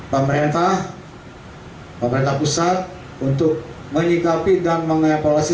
pemerintah pemerintah pusat untuk menyingkapi dan mengimpaulasi